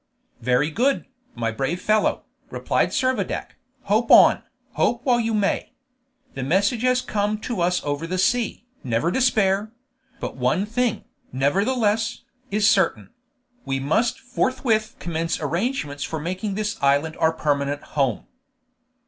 "Very good, my brave fellow," replied Servadac, "hope on, hope while you may. The message has come to us over the sea, 'Never despair'; but one thing, nevertheless, is certain; we must forthwith commence arrangements for making this island our permanent home."